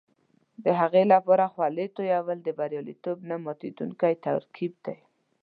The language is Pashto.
د هغې لپاره خولې تویول د بریالیتوب نه ماتېدونکی ترکیب دی.